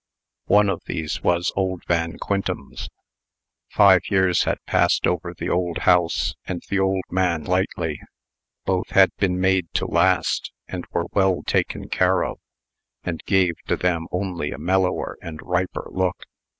One of these was old Van Quintem's. Five years had passed over the old house and the old man lightly (both had been made to last, and were well taken care of), and gave to them only a mellower and riper look.